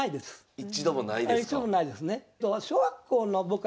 一度もないですね。